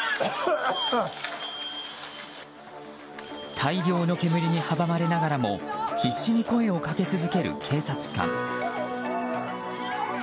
大量の煙に阻まれながらも必死に声をかけ続ける警察官。